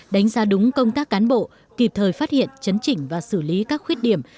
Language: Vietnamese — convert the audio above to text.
đánh giá đúng công tác cán bộ kịp thời phát hiện chấn chỉnh và xử lý các khuyết điểm